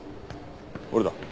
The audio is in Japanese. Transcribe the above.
俺だ。